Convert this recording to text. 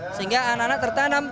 sehingga anak anak tertanam